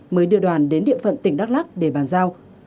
mới đưa đoàn đến địa phận tỉnh đắk lắc để bàn giao